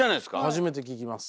初めて聞きます。